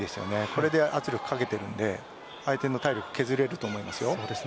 これで圧力をかけているので相手の体力を削れると思います。